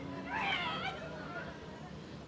ini adalah tempat yang paling menyenangkan